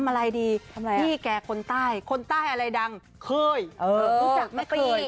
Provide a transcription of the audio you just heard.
ทำอะไรดีทำอะไรพี่แกคนใต้คนใต้อะไรดังเคยเออพูดจากไม่เคย